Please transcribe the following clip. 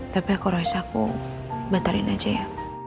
tapi kalau bisa aku batarin aja ya